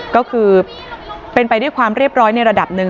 ก็คือเป็นไปด้วยความเรียบร้อยในระดับหนึ่ง